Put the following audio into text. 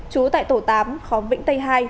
trú tại tổ tám khóm vĩnh tây hai